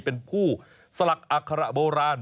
เป็นผู้สลักอัคระโบราณ